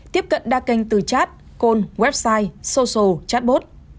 tiếp cận đa kênh từ chat call website social chatbot